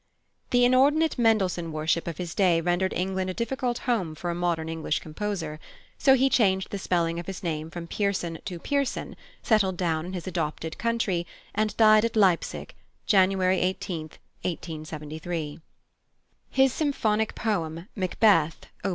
The inordinate Mendelssohn worship of his day rendered England a difficult home for a modern English composer: so he changed the spelling of his name from Pearson to Pierson, settled down in his adopted country, and died at Leipsic, January 18, 1873. His symphonic poem, "Macbeth," op.